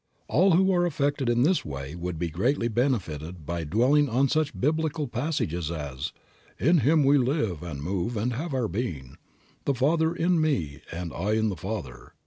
All who are affected in this way would be greatly benefited by dwelling on such Biblical passages as, "In Him we live and move and have our being," "The Father in me and I in the Father."